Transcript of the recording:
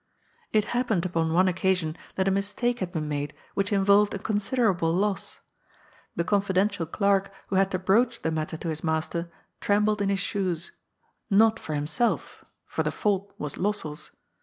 It happened upon one occasion that a mistake had been made which in volved a considerable loss. The confidential clerk who had to broach the matter to his master trembled in his shoes, not for himself, for the fault was Lossell's.